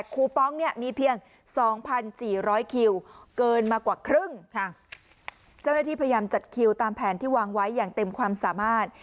ค่ะเจ้าหน้าที่พยายามจัดคิวตามแผนที่วางไว้อย่างเต็มความสามารถ